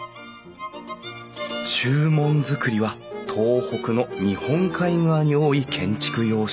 中門造りは東北の日本海側に多い建築様式。